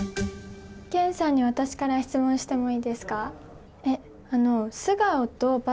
剣さんに私から質問してもいいですか？